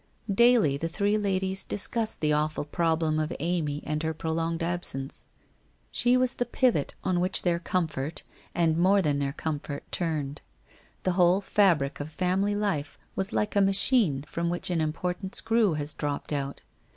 Daily the three ladies discussed the awful problem of Amy and her prolonged absence. She was the pivot on 888 WHITE ROSE OP WEARY LEAF which their comfort and more than their comfort turned. The whole fabric of family life was like a machine from which an important screw has dropped out.